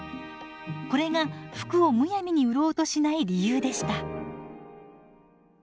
これが服をむやみに売ろうとしない理由でした。